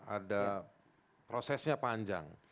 ada prosesnya panjang